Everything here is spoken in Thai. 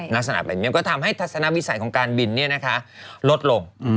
ลักษณะแบบนี้มันก็ทำให้ทัศนวิสัยของการบินลดลง